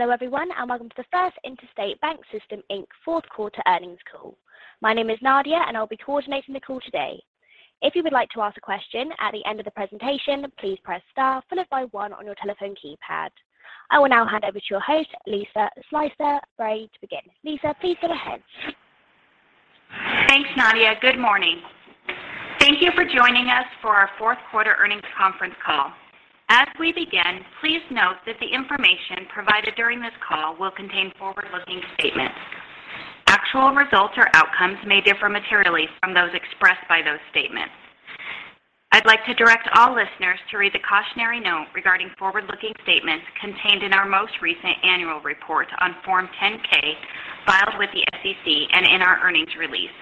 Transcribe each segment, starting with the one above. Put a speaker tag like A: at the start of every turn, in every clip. A: Hello everyone, and welcome to the First Interstate BancSystem, Inc. fourth quarter earnings call. My name is Nadia, and I'll be coordinating the call today. If you would like to ask a question at the end of the presentation, please press star followed by one on your telephone keypad. I will now hand over to your host, Lisa Slyter-Bray. Lisa, please go ahead.
B: Thanks, Nadia. Good morning. Thank you for joining us for our fourth quarter earnings conference call. As we begin, please note that the information provided during this call will contain forward-looking statements. Actual results or outcomes may differ materially from those expressed by those statements. I'd like to direct all listeners to read the cautionary note regarding forward-looking statements contained in our most recent annual report on Form 10-K filed with the SEC and in our earnings release,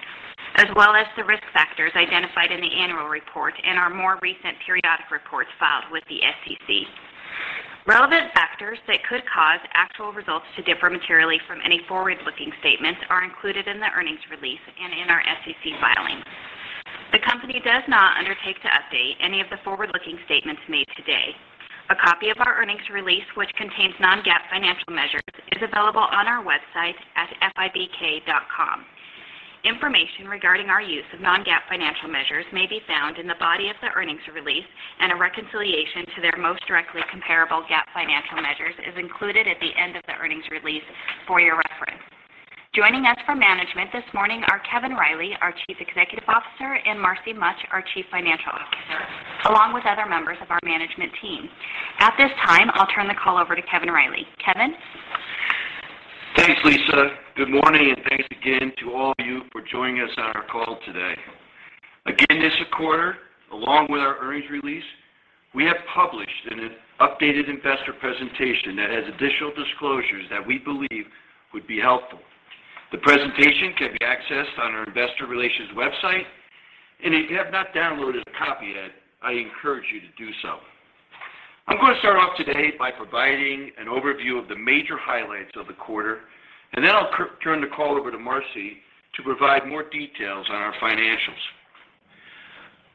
B: as well as the risk factors identified in the annual report and our more recent periodic reports filed with the SEC. Relevant factors that could cause actual results to differ materially from any forward-looking statements are included in the earnings release and in our SEC filings. The company does not undertake to update any of the forward-looking statements made today. A copy of our earnings release, which contains non-GAAP financial measures, is available on our website at fibk.com. Information regarding our use of non-GAAP financial measures may be found in the body of the earnings release, and a reconciliation to their most directly comparable GAAP financial measures is included at the end of the earnings release for your reference. Joining us for management this morning are Kevin P. Riley, our Chief Executive Officer, and Marcy Mutch, our Chief Financial Officer, along with other members of our management team. At this time, I'll turn the call over to Kevin P. Riley. Kevin?
C: Thanks, Lisa. Good morning. Thanks again to all of you for joining us on our call today. This quarter, along with our earnings release, we have published an updated investor presentation that has additional disclosures that we believe would be helpful. The presentation can be accessed on our investor relations website. If you have not downloaded a copy yet, I encourage you to do so. I'm going to start off today by providing an overview of the major highlights of the quarter. Then I'll turn the call over to Marcy to provide more details on our financials.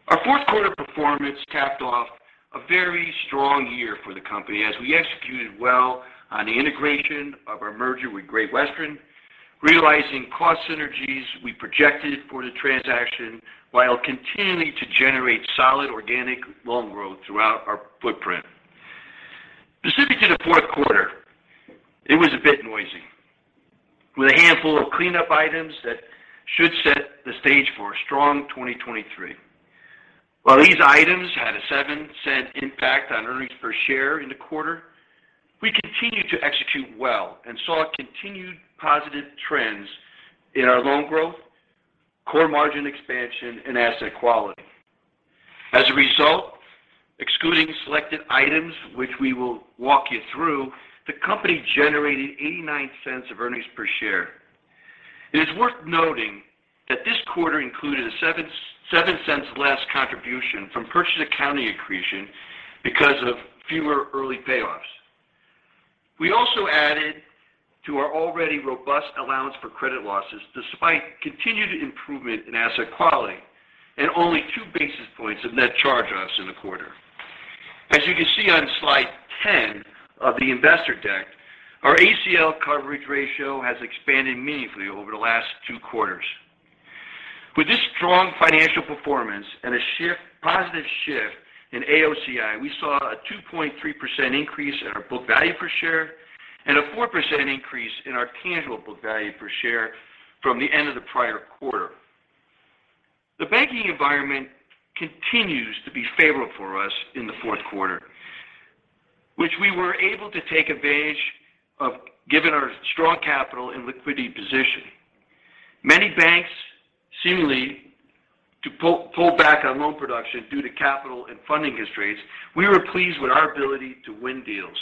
C: Our fourth quarter performance capped off a very strong year for the company as we executed well on the integration of our merger with Great Western, realizing cost synergies we projected for the transaction while continuing to generate solid organic loan growth throughout our footprint. Specific to the fourth quarter, it was a bit noisy, with a handful of cleanup items that should set the stage for a strong 2023. While these items had a $0.07 impact on earnings per share in the quarter, we continued to execute well and saw continued positive trends in our loan growth, core margin expansion, and asset quality. As a result, excluding selected items, which we will walk you through, the company generated $0.89 of earnings per share. It is worth noting that this quarter included a $0.07 less contribution from purchase accounting accretion because of fewer early payoffs. We also added to our already robust allowance for credit losses despite continued improvement in asset quality and only 2 basis points of net charge-offs in the quarter. As you can see on slide 10 of the investor deck, our ACL coverage ratio has expanded meaningfully over the last two quarters. With this strong financial performance and a positive shift in AOCI, we saw a 2.3% increase in our book value per share and a 4% increase in our tangible book value per share from the end of the prior quarter. The banking environment continues to be favorable for us in the fourth quarter, which we were able to take advantage of given our strong capital and liquidity position. Many banks seemingly to pull back on loan production due to capital and funding constraints, we were pleased with our ability to win deals.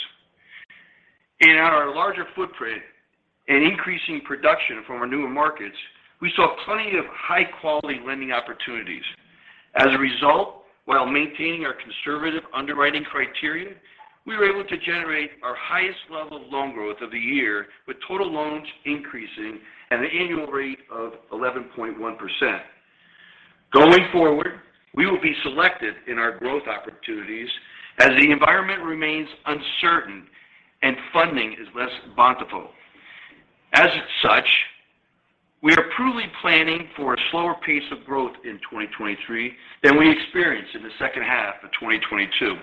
C: On our larger footprint and increasing production from our newer markets, we saw plenty of high-quality lending opportunities. While maintaining our conservative underwriting criteria, we were able to generate our highest level of loan growth of the year, with total loans increasing at an annual rate of 11.1%. Going forward, we will be selective in our growth opportunities as the environment remains uncertain and funding is less bountiful. We are prudently planning for a slower pace of growth in 2023 than we experienced in the second half of 2022.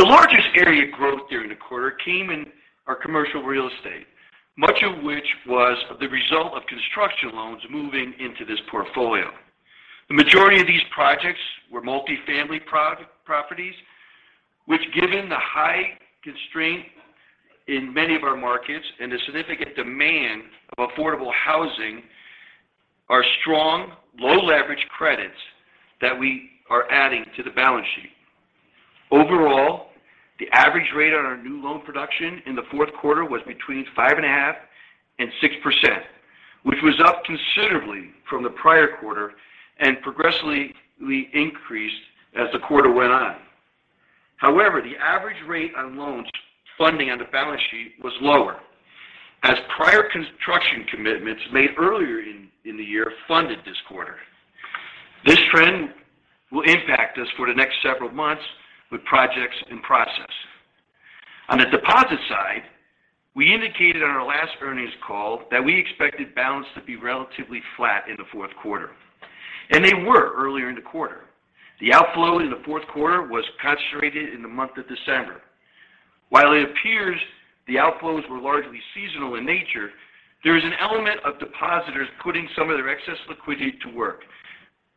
C: The largest area of growth during the quarter came in our commercial real estate, much of which was the result of construction loans moving into this portfolio. The majority of these projects were multifamily properties, which, given the high constraint in many of our markets and the significant demand of affordable housing, are strong, low leverage credits that we are adding to the balance sheet. Overall, the average rate on our new loan production in the fourth quarter was between 5.5% and 6%, which was up considerably from the prior quarter and progressively increased as the quarter went on. The average rate on loans funding on the balance sheet was lower as prior construction commitments made earlier in the year funded this quarter. This trend will impact us for the next several months with projects in process. On the deposit side, we indicated on our last earnings call that we expected balance to be relatively flat in the fourth quarter, and they were earlier in the quarter. The outflow in the fourth quarter was concentrated in the month of December. While it appears the outflows were largely seasonal in nature, there is an element of depositors putting some of their excess liquidity to work.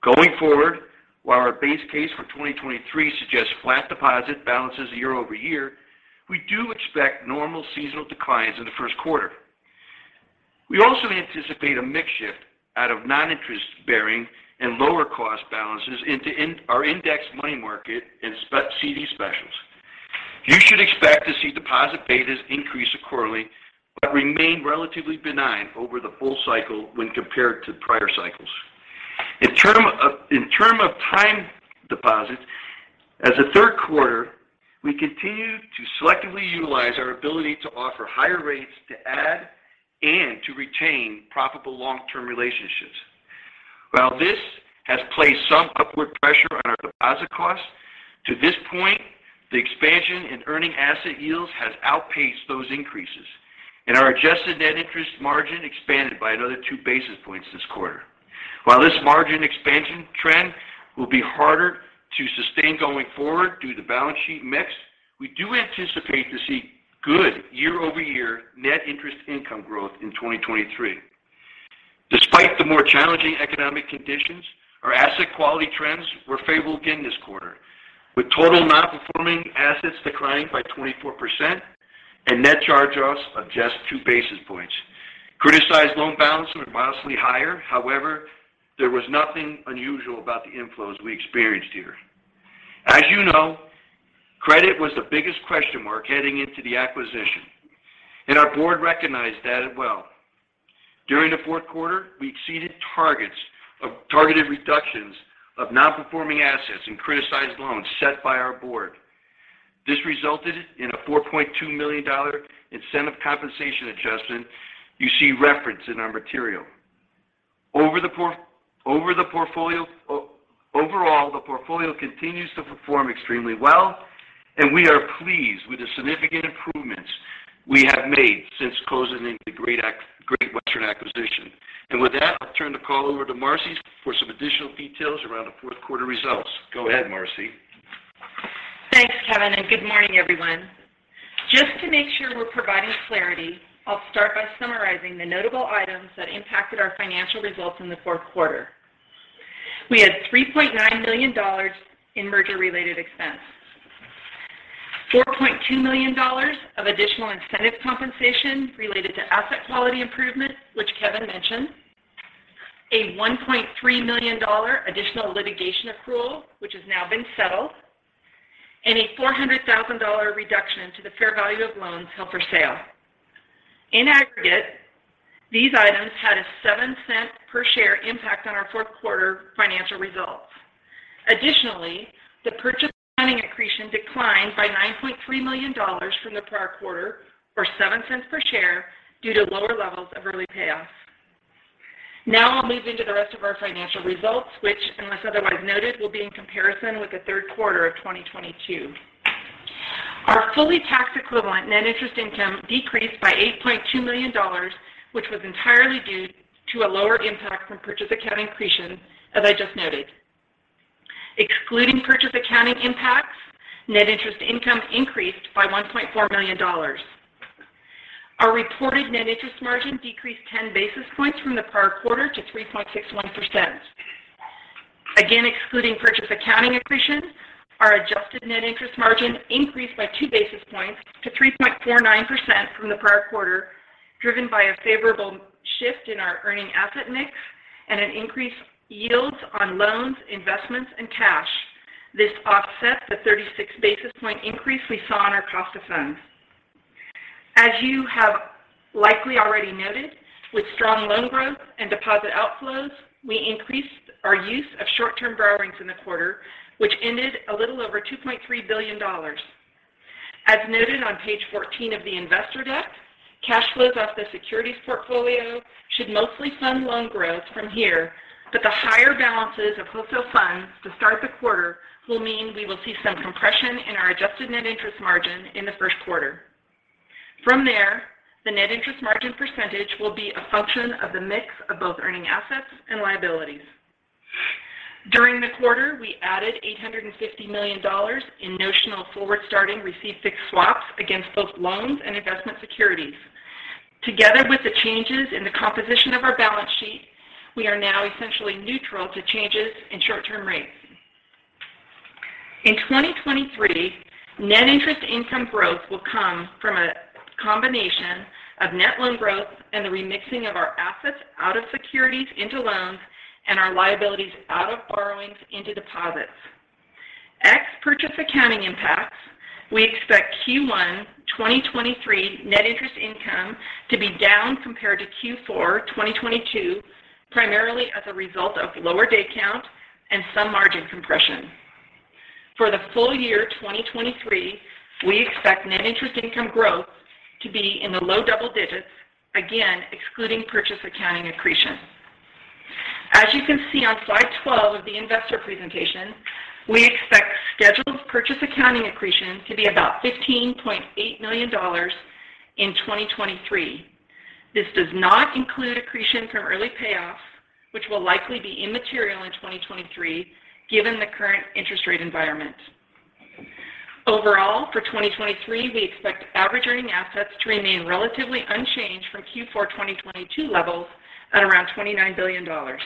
C: Going forward, while our base case for 2023 suggests flat deposit balances year-over-year, we do expect normal seasonal declines in the first quarter. We also anticipate a mix shift out of non-interest-bearing and lower cost balances into our Indexed Money Market and CD specials. You should expect to see deposit betas increase accordingly, but remain relatively benign over the full cycle when compared to prior cycles. In terms of time deposits, as the third quarter, we continue to selectively utilize our ability to offer higher rates to add and to retain profitable long-term relationships. While this has placed some upward pressure on our deposit costs, to this point, the expansion in earning asset yields has outpaced those increases. Our adjusted net interest margin expanded by another 2 basis points this quarter. While this margin expansion trend will be harder to sustain going forward due to balance sheet mix, we do anticipate to see good year-over-year net interest income growth in 2023. Despite the more challenging economic conditions, our asset quality trends were favorable again this quarter, with total non-performing assets declining by 24% and net charge-offs of just 2 basis points. Criticized loan balance were modestly higher. However, there was nothing unusual about the inflows we experienced here. As you know, credit was the biggest question mark heading into the acquisition, and our board recognized that as well. During the fourth quarter, we exceeded targets of targeted reductions of non-performing assets and criticized loans set by our board. This resulted in a $4.2 million incentive compensation adjustment you see referenced in our material. Overall, the portfolio continues to perform extremely well, and we are pleased with the significant improvements we have made since closing the Great Western acquisition. With that, I'll turn the call over to Marcy for some additional details around the fourth quarter results. Go ahead, Marcy.
D: Thanks, Kevin, and good morning, everyone. Just to make sure we're providing clarity, I'll start by summarizing the notable items that impacted our financial results in the fourth quarter. We had $3.9 million in merger-related expense. $4.2 million of additional incentive compensation related to asset quality improvement, which Kevin mentioned. A $1.3 million additional litigation accrual, which has now been settled, and a $400,000 reduction to the fair value of loans held for sale. In aggregate, these items had a $0.07 per share impact on our fourth quarter financial results. Additionally, the purchase accounting accretion declined by $9.3 million from the prior quarter, or $0.07 per share due to lower levels of early payoffs. I'll move into the rest of our financial results, which, unless otherwise noted, will be in comparison with the third quarter of 2022. Our fully tax equivalent net interest income decreased by $8.2 million, which was entirely due to a lower impact from purchase accounting accretion, as I just noted. Excluding purchase accounting impacts, net interest income increased by $1.4 million. Our reported net interest margin decreased 10 basis points from the prior quarter to 3.61%. Excluding purchase accounting accretion, our adjusted net interest margin increased by 2 basis points to 3.49% from the prior quarter, driven by a favorable shift in our earning asset mix and an increased yields on loans, investments, and cash. This offset the 36 basis point increase we saw on our cost of funds. As you have likely already noted, with strong loan growth and deposit outflows, we increased our use of short-term borrowings in the quarter, which ended a little over $2.3 billion. As noted on page 14 of the investor deck, cash flows off the securities portfolio should mostly fund loan growth from here, the higher balances of wholesale funds to start the quarter will mean we will see some compression in our adjusted net interest margin in the first quarter. From there, the net interest margin percentage will be a function of the mix of both earning assets and liabilities. During the quarter, we added $850 million in notional forward starting receive fixed swaps against both loans and investment securities. Together with the changes in the composition of our balance sheet, we are now essentially neutral to changes in short-term rates. In 2023, net interest income growth will come from a combination of net loan growth and the remixing of our assets out of securities into loans and our liabilities out of borrowings into deposits. Ex purchase accounting impacts, we expect Q1 2023 net interest income to be down compared to Q4 2022, primarily as a result of lower day count and some margin compression. For the full year 2023, we expect net interest income growth to be in the low double digits, again, excluding purchase accounting accretion. As you can see on slide 12 of the investor presentation, we expect scheduled purchase accounting accretion to be about $15.8 million in 2023. This does not include accretion from early payoffs, which will likely be immaterial in 2023 given the current interest rate environment. Overall, for 2023, we expect average earning assets to remain relatively unchanged from Q4 2022 levels at around $29 billion. Our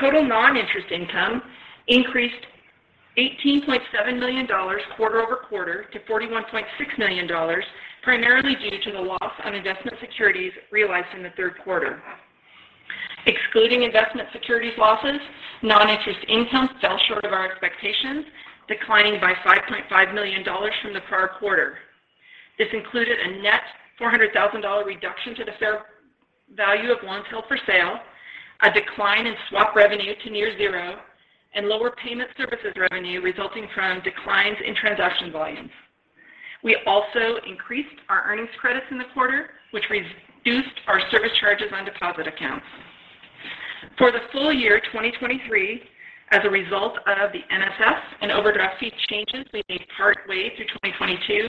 D: total non-interest income increased $18.7 million quarter-over-quarter to $41.6 million, primarily due to the loss on investment securities realized in the third quarter. Excluding investment securities losses, non-interest income fell short of our expectations, declining by $5.5 million from the prior quarter. This included a net $400,000 reduction to the fair value of loans held for sale, a decline in swap revenue to near zero, and lower payment services revenue resulting from declines in transaction volumes. We also increased our earnings credits in the quarter, which reduced our service charges on deposit accounts. For the full year 2023, as a result of the NSF and overdraft fee changes we made partway through 2022,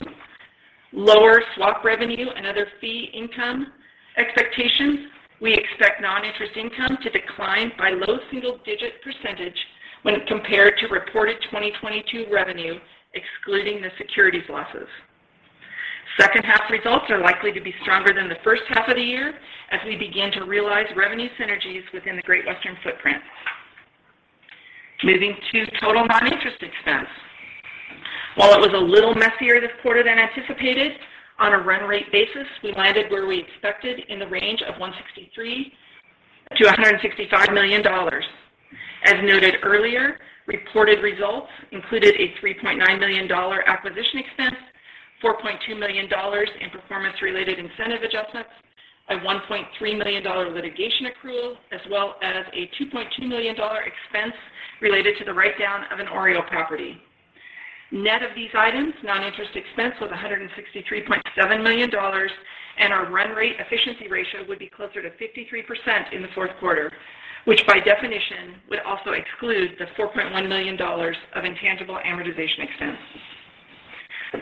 D: lower swap revenue and other fee income expectations, we expect non-interest income to decline by low single-digit % when compared to reported 2022 revenue, excluding the securities losses. Second half results are likely to be stronger than the first half of the year as we begin to realize revenue synergies within the Great Western footprint. Moving to total non-interest expense. While it was a little messier this quarter than anticipated, on a run rate basis, we landed where we expected in the range of $163 million-$165 million. As noted earlier, reported results included a $3.9 million acquisition expense, $4.2 million in performance-related incentive adjustments, a $1.3 million litigation accrual, as well as a $2.2 million expense related to the write-down of an OREO property. Net of these items, non-interest expense was $163.7 million, and our run rate efficiency ratio would be closer to 53% in the fourth quarter, which by definition would also exclude the $4.1 million of intangible amortization expense.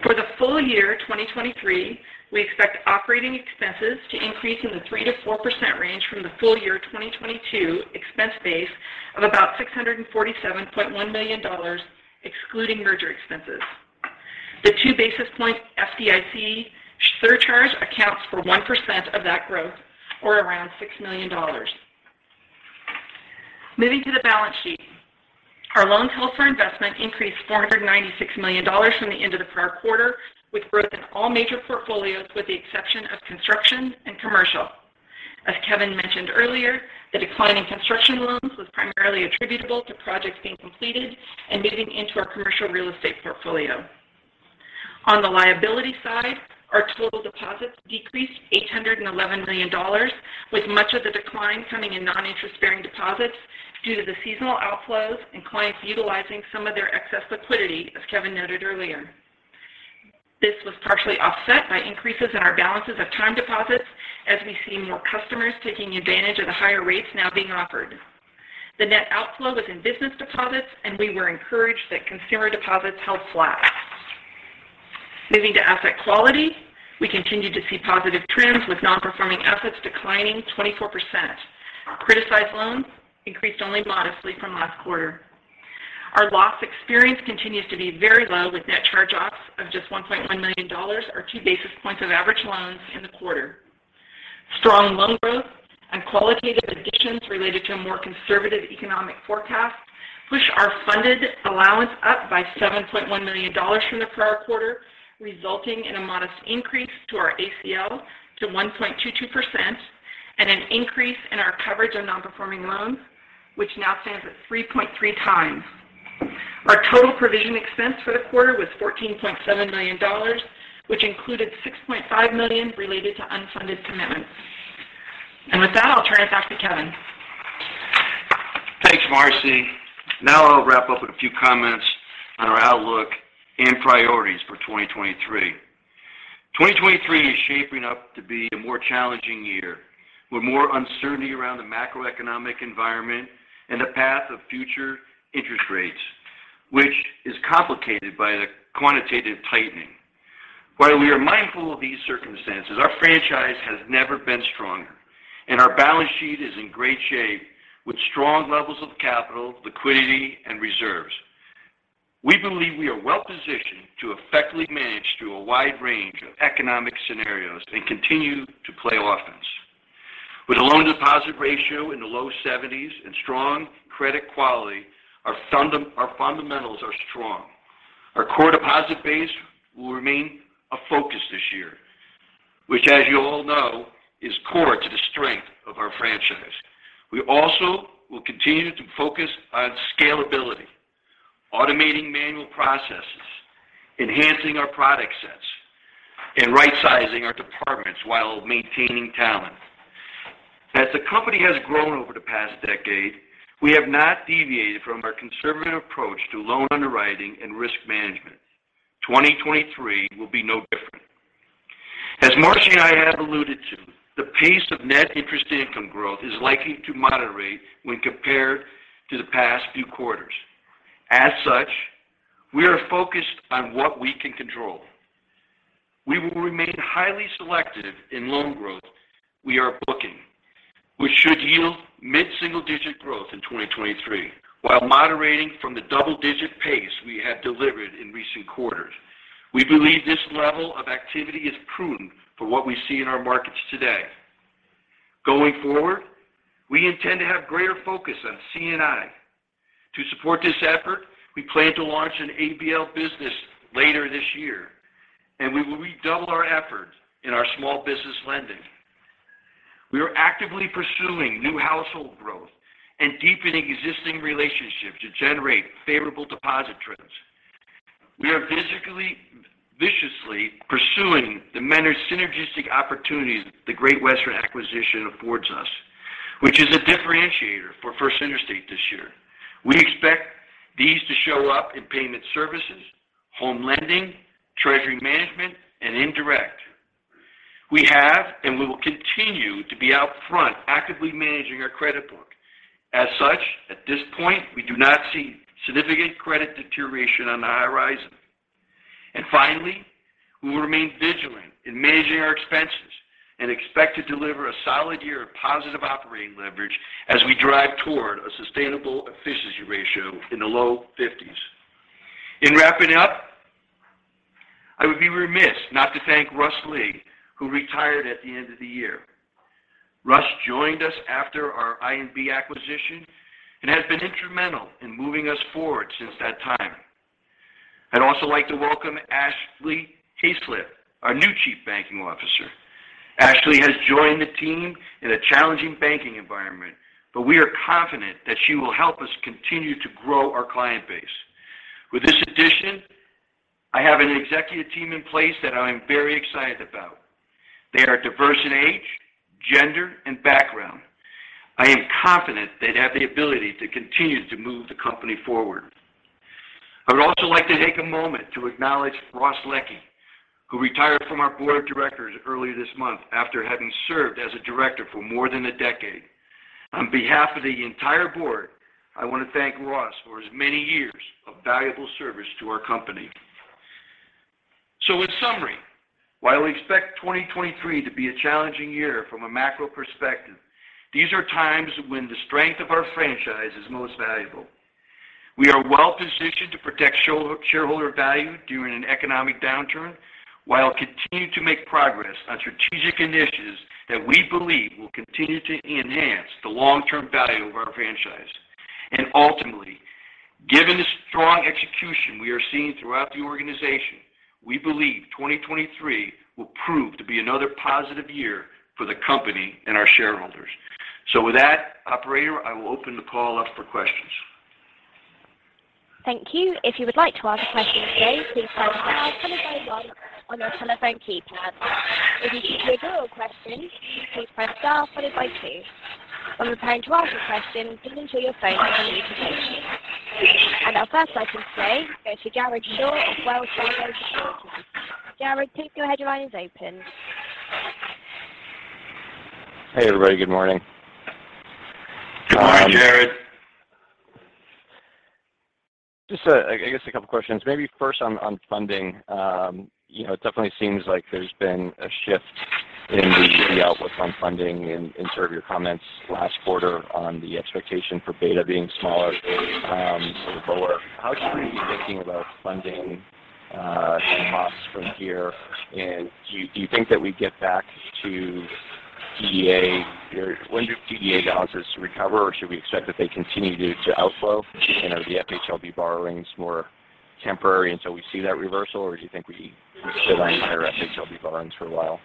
D: For the full year 2023, we expect operating expenses to increase in the 3%-4% range from the full year 2022 expense base of about $647.1 million, excluding merger expenses. The 2 basis points FDIC surcharge accounts for 1% of that growth, or around $6 million. Moving to the balance sheet. Our loans held for investment increased $496 million from the end of the prior quarter, with growth in all major portfolios with the exception of construction and commercial. As Kevin mentioned earlier, the decline in construction loans was primarily attributable to projects being completed and moving into our commercial real estate portfolio. On the liability side, our total deposits decreased $811 million, with much of the decline coming in non-interest-bearing deposits due to the seasonal outflows and clients utilizing some of their excess liquidity, as Kevin noted earlier. This was partially offset by increases in our balances of time deposits as we see more customers taking advantage of the higher rates now being offered. The net outflow was in business deposits, and we were encouraged that consumer deposits held flat. Moving to asset quality, we continued to see positive trends, with non-performing assets declining 24%. Criticized loans increased only modestly from last quarter. Our loss experience continues to be very low, with net charge-offs of just $1.1 million, or 2 basis points of average loans in the quarter. Strong loan growth and qualitative additions related to a more conservative economic forecast pushed our funded allowance up by $7.1 million from the prior quarter, resulting in a modest increase to our ACL to 1.22% and an increase in our coverage of non-performing loans, which now stands at 3.3x. Our total provision expense for the quarter was $14.7 million, which included $6.5 million related to unfunded commitments. With that, I'll turn it back to Kevin.
C: Thanks, Marcy. Now I'll wrap up with a few comments on our outlook and priorities for 2023. 2023 is shaping up to be a more challenging year, with more uncertainty around the macroeconomic environment and the path of future interest rates, which is complicated by the quantitative tightening. While we are mindful of these circumstances, our franchise has never been stronger and our balance sheet is in great shape with strong levels of capital, liquidity, and reserves. We believe we are well-positioned to effectively manage through a wide range of economic scenarios and continue to play offense. With a loan-to-deposit ratio in the low seventies and strong credit quality, our fundamentals are strong. Our core deposit base will remain a focus this year, which as you all know, is core to the strength of our franchise. We also will continue to focus on scalability, automating manual processes, enhancing our product sets, and rightsizing our departments while maintaining talent. As the company has grown over the past decade, we have not deviated from our conservative approach to loan underwriting and risk management. 2023 will be no different. As Marcy and I have alluded to, the pace of net interest income growth is likely to moderate when compared to the past few quarters. We are focused on what we can control. We will remain highly selective in loan growth we are booking, which should yield mid-single digit growth in 2023 while moderating from the double digit pace we have delivered in recent quarters. We believe this level of activity is prudent for what we see in our markets today. Going forward, we intend to have greater focus on C&I. To support this effort, we plan to launch an ABL business later this year, and we will redouble our efforts in our small business lending. We are actively pursuing new household growth and deepening existing relationships to generate favorable deposit trends. We are viciously pursuing the many synergistic opportunities the Great Western acquisition affords us, which is a differentiator for First Interstate this year. We expect these to show up in payment services, home lending, treasury management, and indirect. We have, and we will continue to be out front actively managing our credit book. As such, at this point, we do not see significant credit deterioration on the high horizon. Finally, we will remain vigilant in managing our expenses and expect to deliver a solid year of positive operating leverage as we drive toward a sustainable efficiency ratio in the low 50s. In wrapping up, I would be remiss not to thank Russ Lee, who retired at the end of the year. Russ joined us after our INB acquisition and has been instrumental in moving us forward since that time. I'd also like to welcome Ashley Hayslip our new Chief Banking Officer. Ashley has joined the team in a challenging banking environment, but we are confident that she will help us continue to grow our client base. With this addition, I have an executive team in place that I am very excited about. They are diverse in age, gender, and background. I am confident they'd have the ability to continue to move the company forward. I would also like to take a moment to acknowledge Ross Leckie, who retired from our board of directors earlier this month after having served as a director for more than a decade. On behalf of the entire board, I want to thank Ross for his many years of valuable service to our company. In summary, while we expect 2023 to be a challenging year from a macro perspective, these are times when the strength of our franchise is most valuable. We are well positioned to protect shareholder value during an economic downturn while continuing to make progress on strategic initiatives that we believe will continue to enhance the long-term value of our franchise. Ultimately, given the strong execution we are seeing throughout the organization, we believe 2023 will prove to be another positive year for the company and our shareholders. With that operator, I will open the call up for questions.
A: Thank you. If you would like to ask a question today, please press star followed by one on your telephone keypad. If you'd like to withdraw your question, please press star followed by two. When preparing to ask a question, please ensure your phone is unmuted. Our first question today goes to Jared Shaw of Wells Fargo Securities. Jared, please go ahead, your line is open.
E: Hey, everybody. Good morning.
C: Good morning, Jared.
E: Just, I guess a couple of questions. Maybe first on funding. You know, it definitely seems like there's been a shift in the outlook on funding in sort of your comments last quarter on the expectation for beta being smaller or lower. How should we be thinking about funding costs from here? Do you think that we get back to DDA or when do DDA balances recover or should we expect that they continue to outflow? Are the FHLB borrowings more temporary until we see that reversal? Or do you think we could rely on higher FHLB borrowings for a while?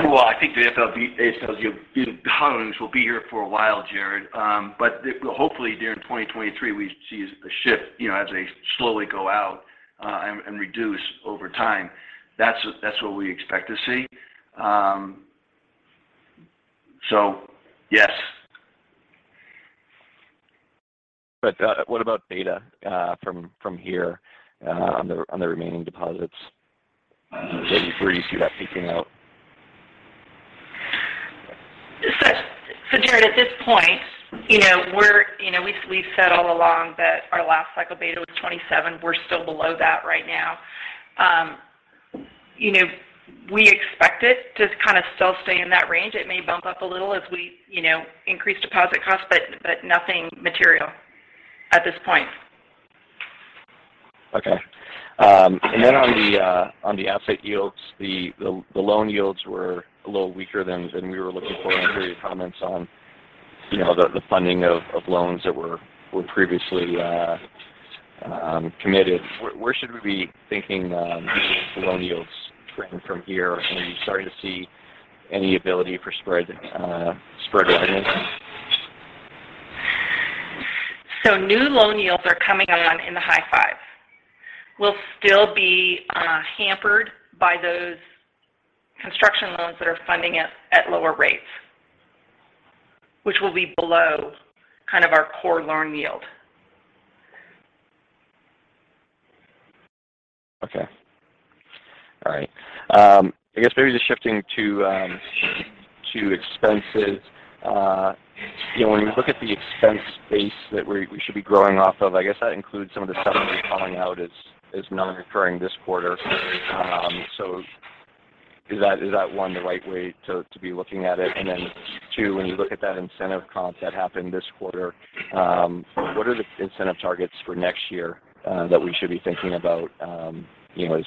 C: Well, I think the FHLB borrowings will be here for a while, Jared. Hopefully during 2023, we see a shift, you know, as they slowly go out, and reduce over time. That's what we expect to see. Yes.
E: What about beta from here on the remaining deposits? Where do you see that peaking out?
D: Jared, at this point we've said all along that our last cycle beta was 27. We're still below that right now. You know, we expect it to kind of still stay in that range. It may bump up a little as we, you know, increase deposit costs, but nothing material at this point.
E: Okay. Then on the asset yields, the loan yields were a little weaker than we were looking for and heard your comments on, you know, the funding of loans that were previously committed. Where should we be thinking loan yields trend from here? Are you starting to see any ability for spread widening?
D: New loan yields are coming on in the high 5s. We'll still be hampered by those construction loans that are funding at lower rates. Will be below kind of our core loan yield.
E: Okay. All right. I guess maybe just shifting to expenses. When you look at the expense base that we should be growing off of, I guess that includes some of the stuff that you're calling out as non-recurring this quarter. Is that, is that one the right way to be looking at it? Two, when you look at that incentive comp that happened this quarter, what are the incentive targets for next year that we should be thinking about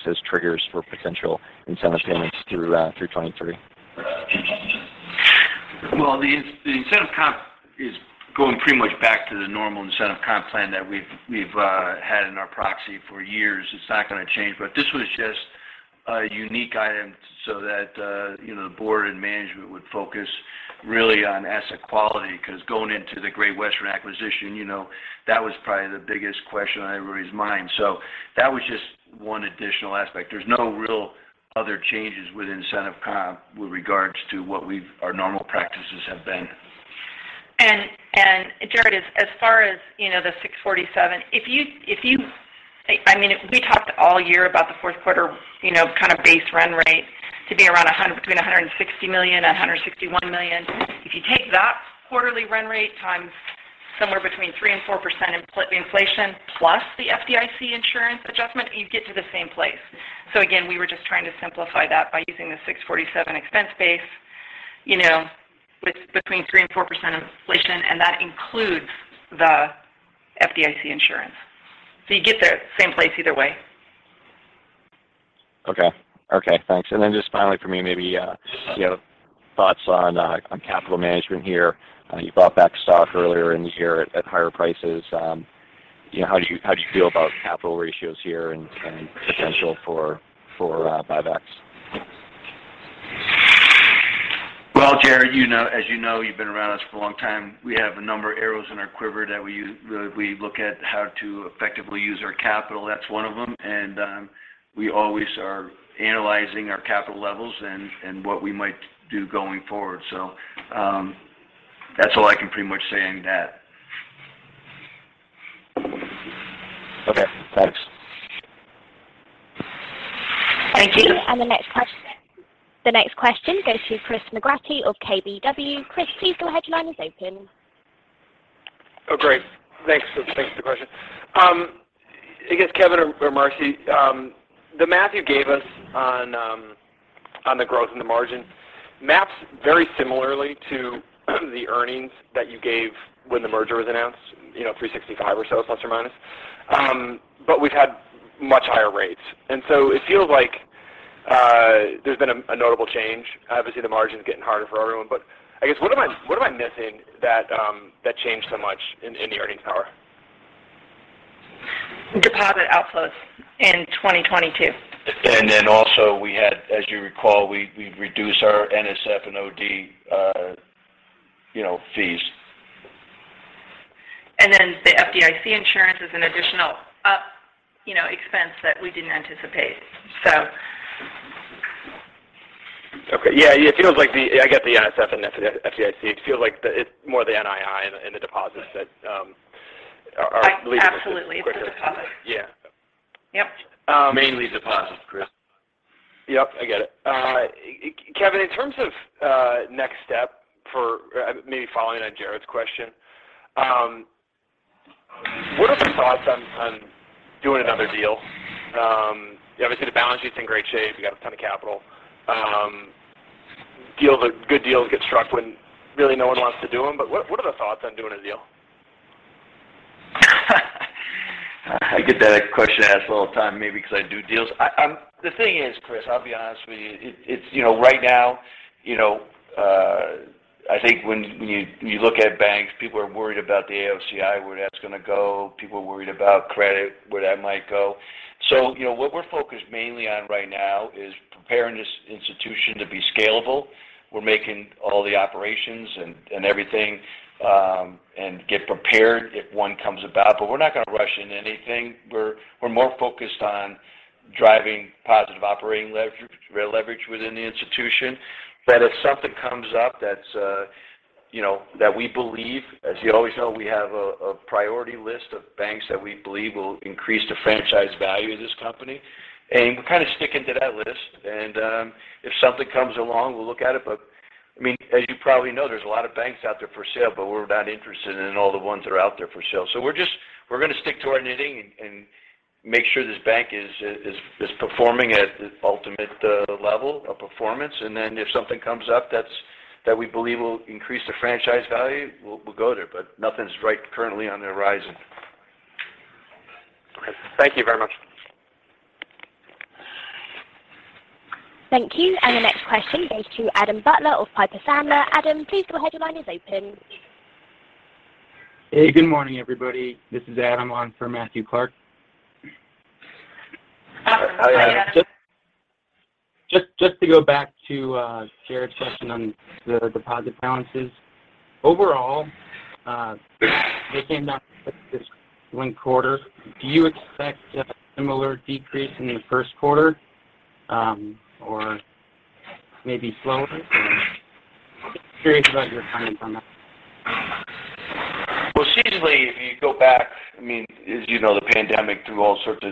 E: as triggers for potential incentive payments through 2023?
C: Well, the incentive comp is going pretty much back to the normal incentive comp plan that we've had in our proxy for years. It's not going to change. This was just a unique item so that, you know, the board and management would focus really on asset quality. Because going into the Great Western acquisition, you know, that was probably the biggest question on everybody's mind. That was just one additional aspect. There's no real other changes with incentive comp with regards to what our normal practices have been.
D: Jared, as far as, you know, the 647, if you, I mean, we talked all year about the fourth quarter, you know, kind of base run rate to be around between $160 million and $161 million. If you take that quarterly run rate times somewhere between 3% and 4% inflation plus the FDIC insurance adjustment, you get to the same place. Again, we were just trying to simplify that by using the 647 expense base, you know, with between 3% and 4% inflation, and that includes the FDIC insurance. You get the same place either way.
E: Okay. Okay, thanks. Just finally for me, maybe, you know, thoughts on capital management here. You bought back stock earlier in the year at higher prices. You know, how do you, how do you feel about capital ratios here and potential for buybacks?
C: Well, Jared, you know, as you know, you've been around us for a long time. We have a number of arrows in our quiver that we use. We look at how to effectively use our capital. That's one of them. We always are analyzing our capital levels and what we might do going forward. That's all I can pretty much say on that.
E: Okay. Thanks.
D: Thank you.
A: The next question. The next question goes to Chris McGratty of KBW. Chris, please go ahead. Your line is open.
F: Oh, great. Thanks. Thanks for the question. I guess, Kevin or Marcy, the math you gave us on the growth in the margin maps very similarly to the earnings that you gave when the merger was announced, you know, 365 or so ±. We've had much higher rates. It feels like there's been a notable change. Obviously, the margin's getting harder for everyone. I guess, what am I missing that changed so much in the earnings power?
D: Deposit outflows in 2022.
C: Then also we had, as you recall, we reduced our NSF and OD, you know, fees.
D: The FDIC insurance is an additional, you know, expense that we didn't anticipate, so.
F: Okay. Yeah. It feels like I get the NSF and FDIC. It feels like it's more the NII and the deposits that are leading.
D: Absolutely. It's the deposits.
F: Yeah.
D: Yep.
C: Mainly deposits, Chris.
F: Yep, I get it. Kevin, in terms of next step for, maybe following on Jared's question, what are the thoughts on doing another deal? Obviously the balance sheet's in great shape. You got a ton of capital. Good deals get struck when really no one wants to do them. What are the thoughts on doing a deal?
C: I get that question asked all the time, maybe because I do deals. The thing is, Chris, I'll be honest with you. It, it's, you know, right now, you know, I think when you look at banks, people are worried about the AOCI, where that's gonna go. People are worried about credit, where that might go. You know, what we're focused mainly on right now is preparing this institution to be scalable. We're making all the operations and everything, and get prepared if one comes about. We're not gonna rush into anything. We're more focused on driving positive operating leverage within the institution. If something comes up that's, you know, that we believe, as you always know, we have a priority list of banks that we believe will increase the franchise value of this company. We're kind of sticking to that list. If something comes along, we'll look at it. As you probably know, there's a lot of banks out there for sale, but we're not interested in all the ones that are out there for sale. We're gonna stick to our knitting and make sure this bank is performing at the ultimate level of performance. If something comes up that we believe will increase the franchise value, we'll go there. Nothing's right currently on the horizon.
F: Okay. Thank you very much.
A: Thank you. The next question goes to Adam Butler of Piper Sandler. Adam, please go ahead. Your line is open.
G: Hey, good morning, everybody. This is Adam on for Matthew Clark.
D: Hi Adam
G: Just to go back to Jared's question on the deposit balances. Overall, they came down this one quarter. Do you expect a similar decrease in the first quarter, or maybe slower? Curious about your timing on that.
C: Well, seasonally, if you go back, I mean, as you know, the pandemic threw all sorts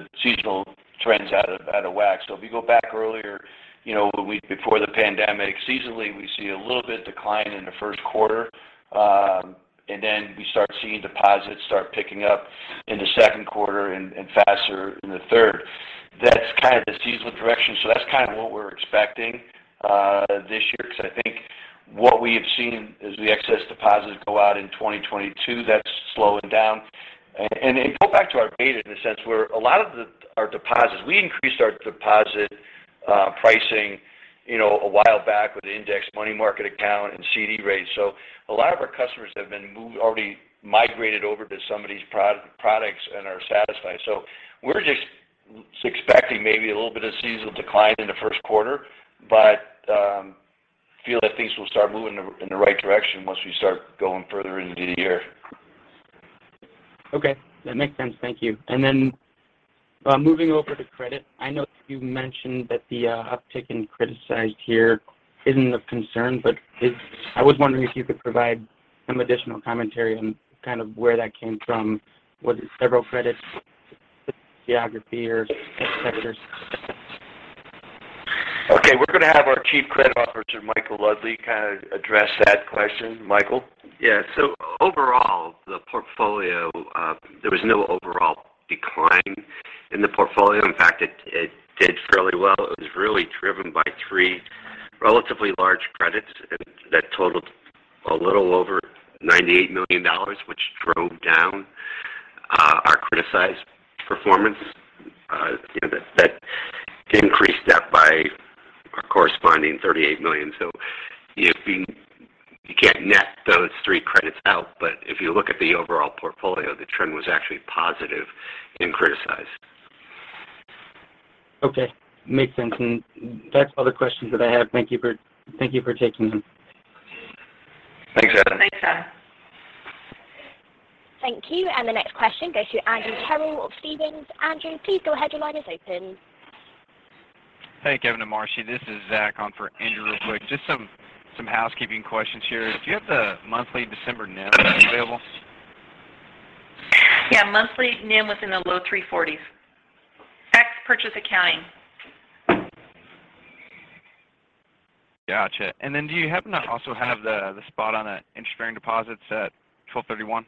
C: of seasonal trends out of, out of whack. If you go back earlier, you know, a week before the pandemic, seasonally, we see a little bit decline in the first quarter. We start seeing deposits start picking up in the second quarter and faster in the third. That's kind of the seasonal direction. That's kind of what we're expecting this year, because I think what we have seen as the excess deposits go out in 2022, that's slowing down. Go back to our beta in a sense, where a lot of our deposits, we increased our deposit pricing a while back with Indexed Money Market account and CD rates. A lot of our customers have been already migrated over to some of these products and are satisfied. We're just expecting maybe a little bit of seasonal decline in the first quarter, but feel that things will start moving in the right direction once we start going further into the year.
G: Okay. That makes sense. Thank you. Moving over to credit. I know that you mentioned that the uptick in criticized here isn't of concern, but I was wondering if you could provide some additional commentary on kind of where that came from. Was it several credits, geography or sectors?
C: Okay, we're going to have our Chief Credit Officer, Michael Lugli address that question. Michael.
H: Yeah. Overall, the portfolio, there was no overall decline in the portfolio. In fact, it did fairly well. It was really driven by three relatively large credits that totaled a little over $98 million, which drove down our criticized performance. That increased that by a corresponding $38 million. If you can't net those three credits out, but if you look at the overall portfolio, the trend was actually positive in criticized.
G: Okay. Makes sense. That's all the questions that I have. Thank you for taking them.
C: Thanks, Adam.
D: Thanks, Adam.
A: Thank you. The next question goes to Andrew Terrell of Stephens. Andrew, please go ahead. Your line is open.
I: Hey, Kevin and Marcy. This is Zach on for Andrew real quick. Just some housekeeping questions here. Do you have the monthly December NIM available?
D: Yeah. Monthly NIM was in the low three fortys. X purchase accounting.
I: Gotcha. Do you happen to also have the spot on the interest-bearing deposits at 12/31?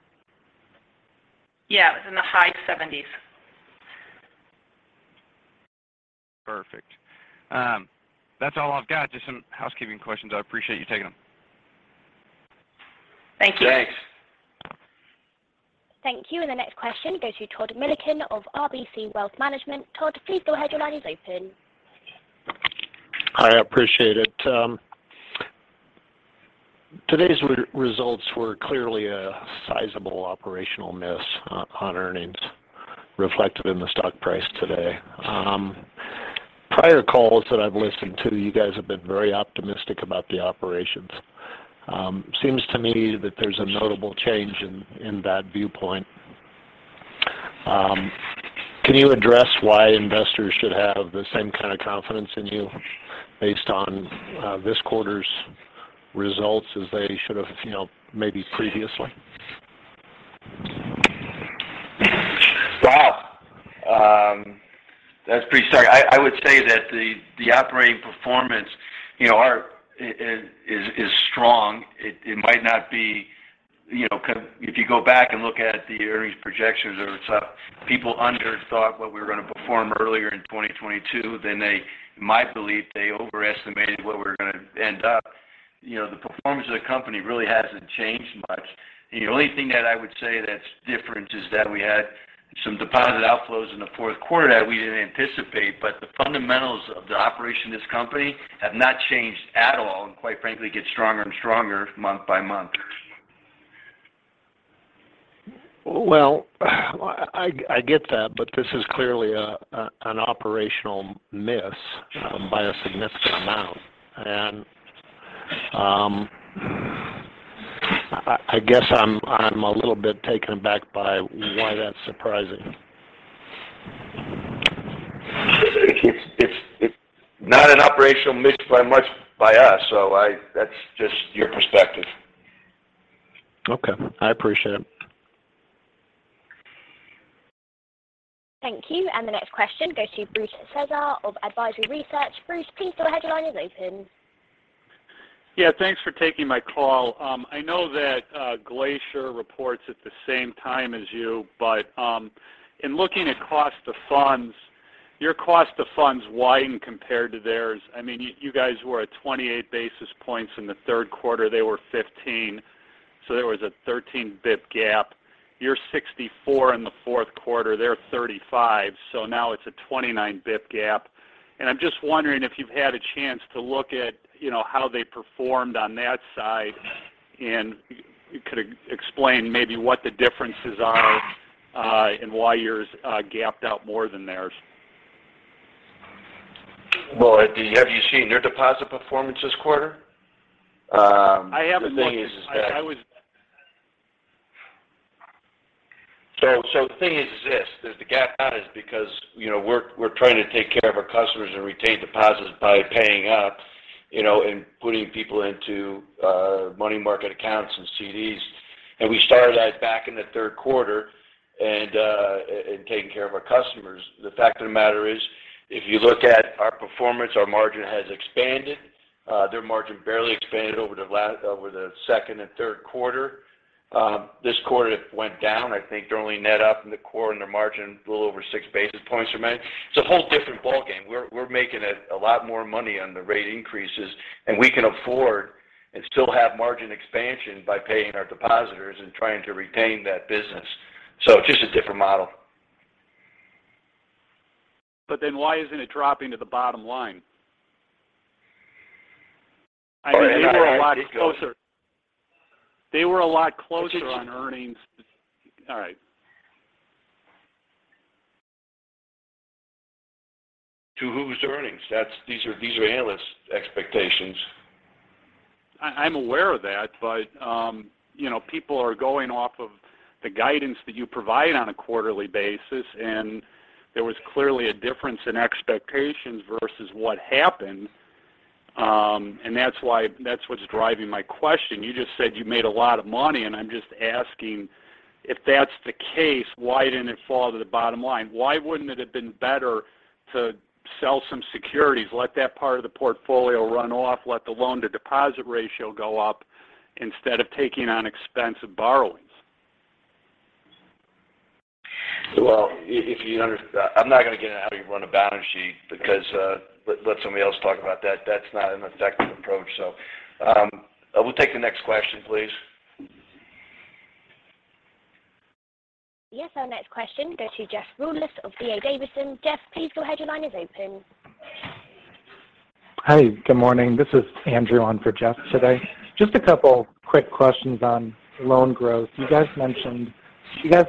D: Yeah. It was in the high 70s.
I: Perfect. That's all I've got. Just some housekeeping questions. I appreciate you taking them.
D: Thank you.
C: Thanks.
A: Thank you. The next question goes to Todd Mihm of RBC Wealth Management. Todd, please go ahead. Your line is open.
J: I appreciate it. Today's results were clearly a sizable operational miss on earnings reflected in the stock price today. Prior calls that I've listened to, you guys have been very optimistic about the operations. Seems to me that there's a notable change in that viewpoint. Can you address why investors should have the same kind of confidence in you based on this quarter's results as they should have maybe previously?
C: Wow. That's pretty sorry. I would say that the operating performance, you know, is strong. It might not be, you know, kind of if you go back and look at the earnings projections or what's up, people under thought what we were going to perform earlier in 2022, in my belief, they overestimated what we're going to end up. You know, the performance of the company really hasn't changed much. The only thing that I would say that's different is that we had some deposit outflows in the fourth quarter that we didn't anticipate, but the fundamentals of the operation of this company have not changed at all, and quite frankly, get stronger and stronger month by month.
J: Well, I get that, but this is clearly an operational miss by a significant amount. I guess I'm a little bit taken aback by why that's surprising.
C: It's not an operational miss by much by us. That's just your perspective.
J: Okay. I appreciate it.
A: Thank you. The next question goes to Bruce Yerkes of Advisory Research. Bruce, please go ahead. Your line is open.
K: Yeah, thanks for taking my call. I know that Glacier reports at the same time as you, in looking at cost of funds, your cost of funds widened compared to theirs. I mean, you guys were at 28 basis points in the third quarter. They were 15, so there was a 13 BIP gap. You're 64 in the fourth quarter, they're 35. Now it's a 29 BIP gap. I'm just wondering if you've had a chance to look at, you know, how they performed on that side and you could explain maybe what the differences are, and why yours, gapped out more than theirs.
C: Well, have you seen their deposit performance this quarter?
K: I haven't looked.
C: So the thing is this, is the gap out is because we're trying to take care of our customers and retain deposits by paying up, you know, and putting people into money market accounts and CDs. We started that back in the third quarter and in taking care of our customers. The fact of the matter is, if you look at our performance, our margin has expanded. Their margin barely expanded over the second and third quarter. This quarter it went down. I think they're only net up in the quarter and their margin a little over 6 basis points or so. It's a whole different ballgame. We're making a lot more money on the rate increases, We can afford and still have margin expansion by paying our depositors and trying to retain that business. It's just a different model.
K: Why isn't it dropping to the bottom line?
C: Oh, yeah.
K: They were a lot closer. They were a lot closer on earnings. All right.
C: To whose earnings? these are analyst expectations.
K: I'm aware of that, you know, people are going off of the guidance that you provide on a quarterly basis, and there was clearly a difference in expectations versus what happened. That's what's driving my question. You just said you made a lot of money, and I'm just asking, if that's the case, why didn't it fall to the bottom line? Why wouldn't it have been better to sell some securities, let that part of the portfolio run off, let the loan-to-deposit ratio go up instead of taking on expensive borrowings?
C: Well, if you I'm not going to get into how you run a balance sheet because let somebody else talk about that. That's not an effective approach. We'll take the next question, please.
A: Yes, our next question goes to Jeff Rulis of D.A. Davidson. Jeff, please go ahead. Your line is open.
L: Hi. Good morning. This is Andrew on for Jeff today. Just a couple quick questions on loan growth. You guys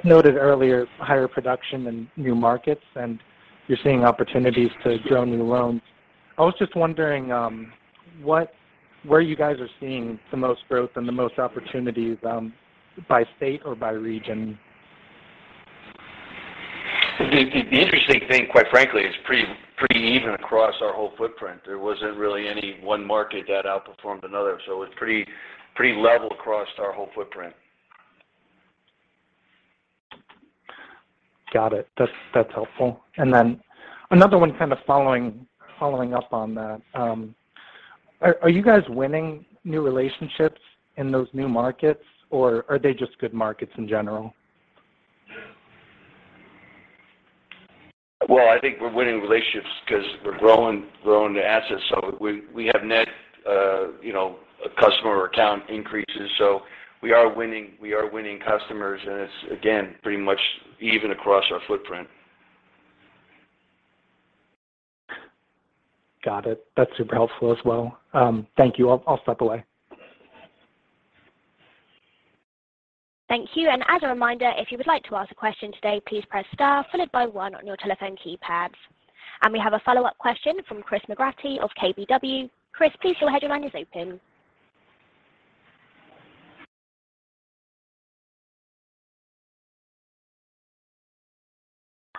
L: noted earlier higher production in new markets, and you're seeing opportunities to grow new loans. I was just wondering where you guys are seeing the most growth and the most opportunities by state or by region?
C: The interesting thing, quite frankly, it's pretty even across our whole footprint. There wasn't really any one market that outperformed another. It's pretty level across our whole footprint.
L: Got it. That's helpful. Then another one kind of following up on that. Are you guys winning new relationships in those new markets, or are they just good markets in general?
C: I think we're winning relationships because we're growing the assets. We have net customer or account increases. We are winning customers. It's again, pretty much even across our footprint.
L: Got it. That's super helpful as well. Thank you. I'll step away.
A: Thank you. As a reminder, if you would like to ask a question today, please press star followed by one on your telephone keypads. We have a follow-up question from Chris McGratty of KBW. Chris, please go ahead. Your line is open.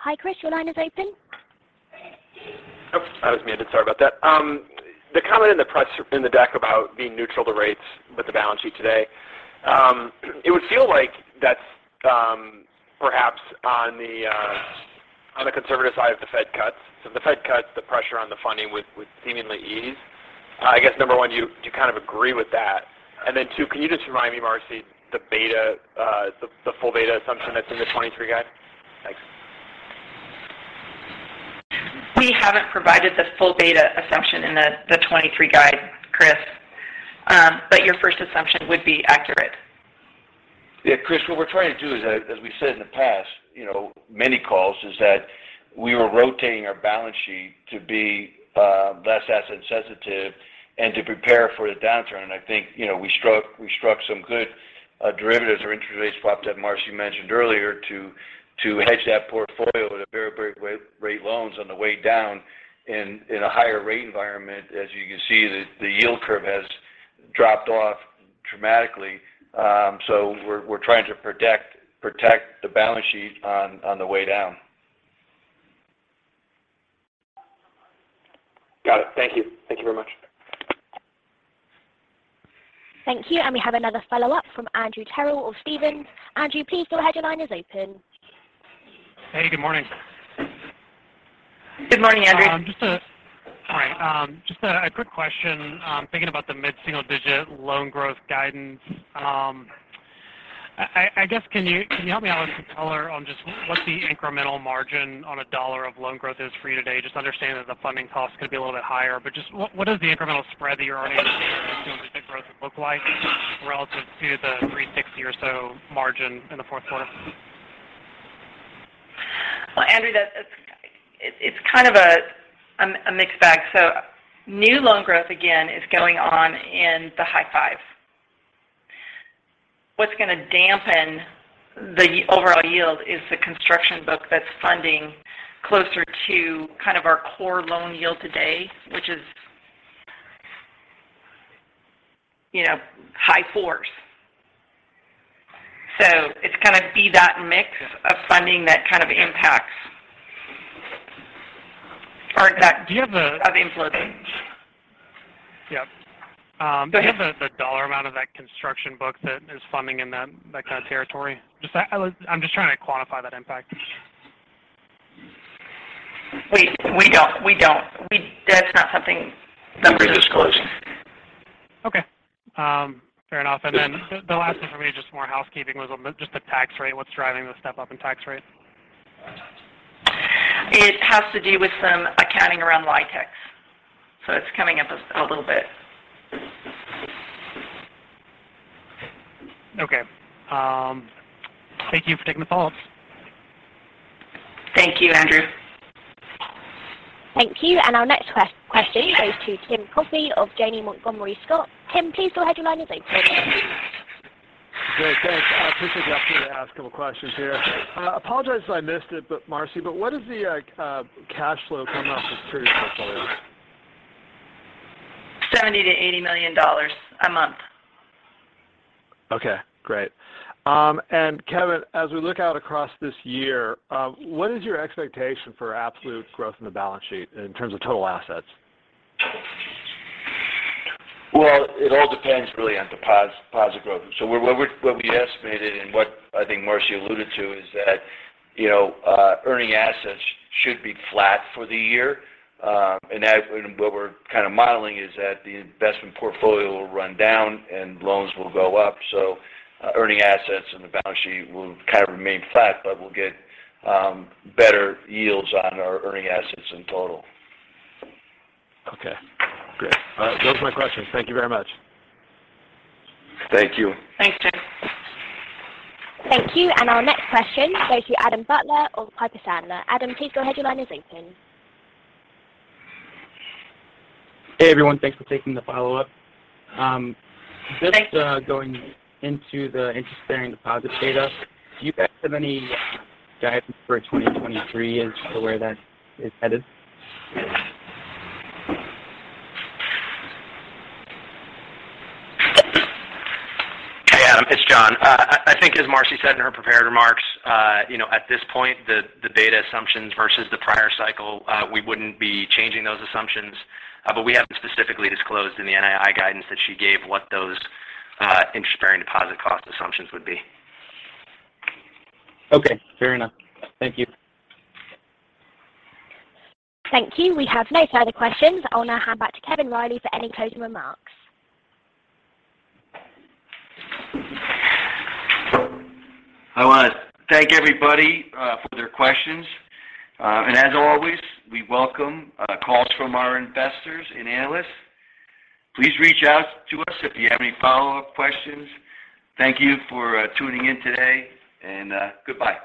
A: Hi, Chris. Your line is open.
F: Oh, that was me. I did. Sorry about that. The comment in the deck about being neutral to rates with the balance sheet today. It would feel like that's perhaps on the conservative side of the Fed cuts. The Fed cuts, the pressure on the funding would seemingly ease. I guess, number 1, do you kind of agree with that? Two, can you just remind me, Marcy, the full beta assumption that's in the 23 guide? Thanks.
D: We haven't provided the full beta assumption in the 2023 guide, Chris. Your first assumption would be accurate.
C: Chris, what we're trying to do is, as we said in the past, you know, many calls, is that we were rotating our balance sheet to be less asset sensitive and to prepare for the downturn. I think, you know, we struck some good derivatives or interest rates swap that Marcy mentioned earlier to hedge that portfolio with a variable rate loans on the way down in a higher rate environment. As you can see, the yield curve has dropped off dramatically. We're trying to protect the balance sheet on the way down.
K: Got it. Thank you. Thank you very much.
A: Thank you. We have another follow-up from Andrew Terrell of Stephens. Andrew, please go ahead. Your line is open.
M: Hey, good morning.
D: Good morning, Andrew.
M: All right. Just a quick question. Thinking about the mid-single digit loan growth guidance. I guess, can you help me out with some color on just what the incremental margin on a dollar of loan growth is for you today? Just understanding that the funding costs could be a little bit higher. Just what is the incremental spread that you're earning on mid-single digit growth look like relative to the 360 or so margin in the fourth quarter?
D: Well, Andrew, that's, it's kind of a mixed bag. New loan growth again is going on in the high 5s. What's gonna dampen the overall yield is the construction book that's funding closer to kind of our core loan yield today, which is high 4s. It's gonna be that mix of funding that kind of impacts.
M: Do you have the-?
D: Of influence.
M: Yeah.
D: Go ahead.
M: Do you have the dollar amount of that construction book that is funding in that kind of territory? I'm just trying to quantify that impact.
D: We don't. We don't. That's not something that we disclose.
M: Okay. fair enough. Then the last thing for me, just more housekeeping was on just the tax rate. What's driving the step up in tax rate?
D: It has to do with some accounting around LIHTC. It's coming up a little bit.
M: Okay. Thank you for taking the follow-ups.
D: Thank you, Andrew.
A: Thank you. Our next question goes to Tim Coffey of Janney Montgomery Scott. Tim, please go ahead, your line is open.
N: Great. Thanks. I appreciate the opportunity to ask a couple questions here. Apologize if I missed it, but Marcy, what is the cash flow coming off the securities portfolio?
D: $70 million-$80 million a month.
N: Okay, great. Kevin, as we look out across this year, what is your expectation for absolute growth in the balance sheet in terms of total assets?
C: Well, it all depends really on deposit growth. What we estimated and what I think Marcy alluded to is that, you know, earning assets should be flat for the year. What we're kind of modeling is that the investment portfolio will run down and loans will go up. Earning assets and the balance sheet will kind of remain flat, but we'll get better yields on our earning assets in total.
N: Okay, great. Those are my questions. Thank you very much.
C: Thank you.
D: Thanks, Tim.
A: Thank you. Our next question goes to Adam Butler of Piper Sandler. Adam, please go ahead. Your line is open.
G: Hey, everyone. Thanks for taking the follow-up. Just, going into the interest-bearing deposit data. Do you guys have any guidance for 2023 as to where that is headed?
O: Hey, Adam, it's John. I think as Marcy said in her prepared remarks, you know, at this point, the data assumptions versus the prior cycle, we wouldn't be changing those assumptions. We haven't specifically disclosed in the NII guidance that she gave what those interest-bearing deposit cost assumptions would be.
G: Okay, fair enough. Thank you.
A: Thank you. We have no further questions. I'll now hand back to Kevin P. Riley for any closing remarks.
C: I wanna thank everybody for their questions. As always, we welcome calls from our investors and analysts. Please reach out to us if you have any follow-up questions. Thank you for tuning in today, and goodbye.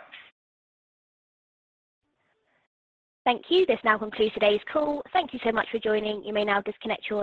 A: Thank you. This now concludes today's call. Thank you so much for joining. You may now disconnect your line.